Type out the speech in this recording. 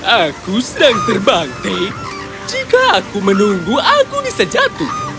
aku sedang terbakti jika aku menunggu aku bisa jatuh